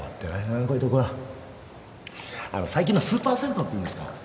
最近のスーパー銭湯っていうんですか？